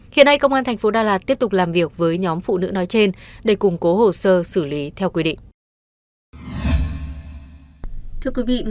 hiện nay công an thành phố đà lạt tiếp tục làm việc với nhóm phụ nữ nói trên để củng cố hồ sơ xử lý theo quy định